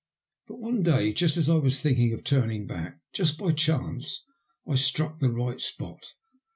But one day, just as I was thinking of turning back, just by chance I struck the right spot.